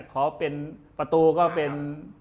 ขอเป็นประตูก็เป็น